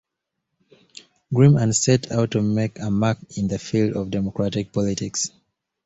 Grim and set out to make a mark in the field of Democratic Politics.